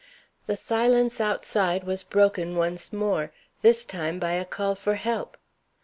The silence outside was broken once more; this time by a call for help.